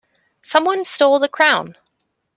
Someone stole the crown!